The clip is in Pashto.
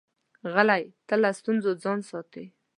غلی، تل له ستونزو ځان ساتي.